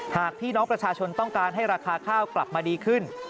หากพี่น้องประชาชนต้องการให้ราคาข้าวกลับมาดีขึ้น